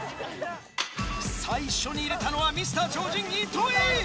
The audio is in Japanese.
最初に入れたのはミスター超人糸井。